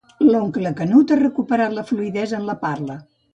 L'oncle Canut ha recuperat la fluïdesa en la parla.